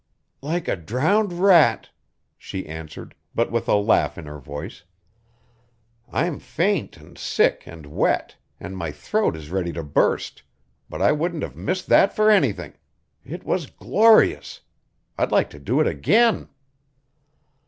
"Like a drowned rat," she answered, but with a laugh in her voice. "I'm faint and sick and wet, and my throat is ready to burst, but I wouldn't have missed that for anything. It was glorious! I'd like to do it again."